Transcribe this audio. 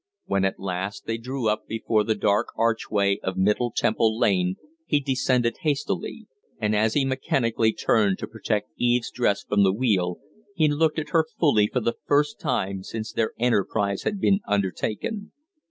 When at last they drew up before the dark archway of Middle Temple Lane, he descended hastily. And as he mechanically turned to protect Eve's dress from the wheel, he looked at her fully for the first time since their enterprise had been undertaken.